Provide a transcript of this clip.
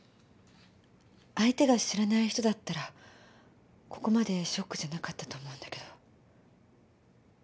相手が知らない人だったらここまでショックじゃなかったと思うんだけど。